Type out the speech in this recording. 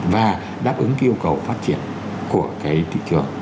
và đáp ứng yêu cầu phát triển của cái thị trường